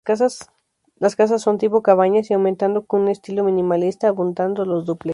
Las casas son tipo cabañas y aumentando con un estilo minimalista abundando los dúplex.